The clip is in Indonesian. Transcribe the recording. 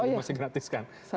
itu kan masih gratis kan